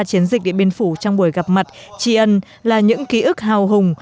chiến dịch điện biên phủ trong buổi gặp mặt tri ân là những ký ức hào hùng